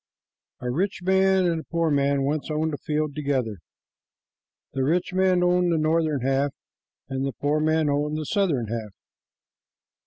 A rich man and a poor man once owned a field together. The rich man owned the northern half, and the poor man owned the southern half.